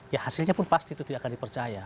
ya hasilnya pun pasti itu tidak akan dipercaya